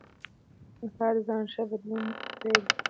سهار د ځان ښه بدلون پیل دی.